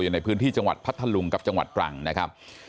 ในพื้นที่จังหวัดพัทธลุงกับจังหวัดตรังนะครับ